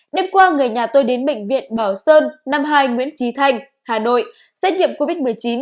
đêm qua người nhà tôi đến bệnh viện bảo sơn năm mươi hai nguyễn trí thanh hà nội xét nghiệm covid một mươi chín